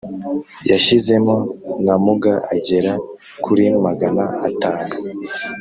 yashyizemo n’amuga agera kuri magana atanu.